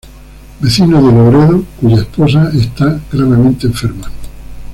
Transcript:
Vecino de Louredo cuya esposa está gravemente enferma.